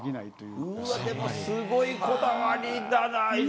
うわぁ、でも、すごいこだわりだなぁ。